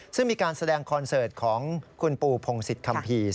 ซึ่งมีการแสดงคอนเสิร์ตของคุณปูพงศิษยคัมภีร์